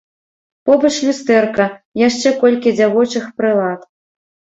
Побач люстэрка, яшчэ колькі дзявочых прылад.